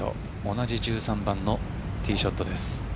同じ１３番のティーショットです。